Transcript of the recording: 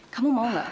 kamu mau gak